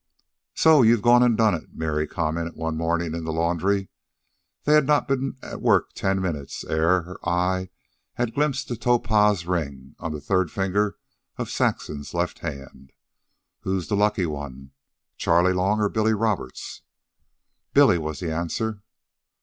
"So you've gone an' done it," Mary commented, one morning in the laundry. They had not been at work ten minutes ere her eye had glimpsed the topaz ring on the third finger of Saxon's left hand. "Who's the lucky one? Charley Long or Billy Roberts?" "Billy," was the answer.